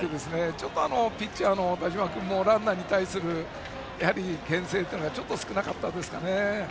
ちょっとピッチャーの田嶋君もランナーに対するけん制というのがちょっと少なかったですね。